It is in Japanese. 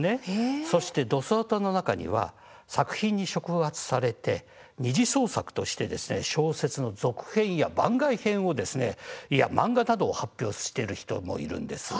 そしてドスオタの中には作品に触発されて二次創作として小説の続編や番外編や漫画などを発表している人もいるんです。